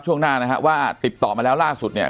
ช่วงหน้านะฮะว่าติดต่อมาแล้วล่าสุดเนี่ย